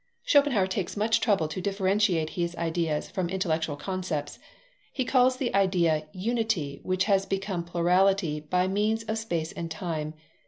Schopenhauer takes much trouble to differentiate his ideas from intellectual concepts. He calls the idea "unity which has become plurality by means of space and time.